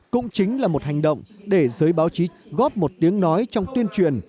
cũng chính là một hành động để giới báo chí góp một tiếng nói trong tuyên truyền